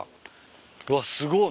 わっすごい。